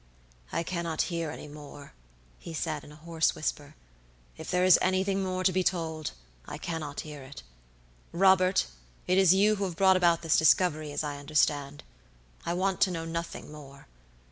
"I cannot hear any more," he said, in a hoarse whisper; "if there is anything more to be told I cannot hear it. Robert, it is you who have brought about this discovery, as I understand. I want to know nothing more.